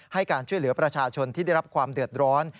ให้การช่วยเหลือประชาชนที่ได้รับความเดือดร้อน